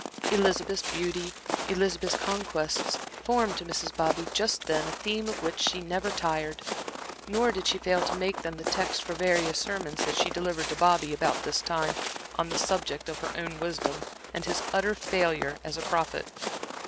Elizabeth's beauty, Elizabeth's conquests, formed to Mrs. Bobby just then a theme of which she never tired. Nor did she fail to make them the text for various sermons that she delivered to Bobby about this time, on the subject of her own wisdom, and his utter failure as a prophet.